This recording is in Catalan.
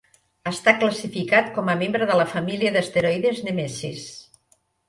Està classificat com a membre de la família d'asteroides Nemesis.